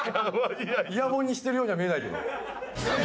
イヤモニしてるようには見えないけど。